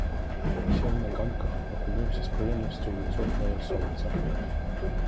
Сеў на ганках, акунуўся з прыемнасцю ў цёплае сонца.